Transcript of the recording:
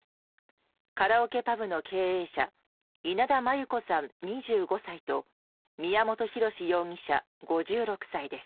カラオケパブの経営者稲田真優子さん、２５歳と宮本浩志容疑者、５６歳です。